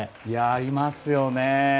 ありますよね。